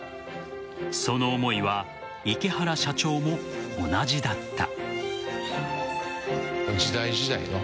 その思いは池原社長も同じだった。